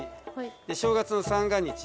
正月の三が日。